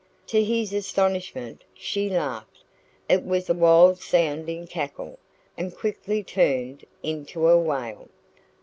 To his astonishment, she laughed. It was a wild sounding cackle, and quickly turned into a wail.